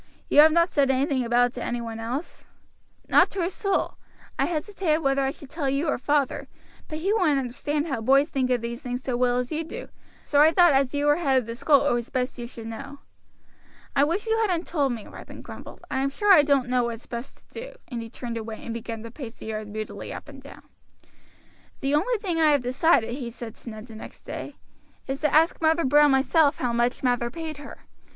You have not said anything about it to any one else?" "Not to a soul. I hesitated whether I should tell you or father, but he wouldn't understand how boys think of these things so well as you do; so I thought as you were head of the school it was best you should know." "I wish you hadn't told me," Ripon grumbled. "I am sure I don't know what's best to do;" and he turned away and began to pace the yard moodily up and down. "The only thing I have decided," he said to Ned the next day, "is to ask Mother Brown myself how much Mather paid her.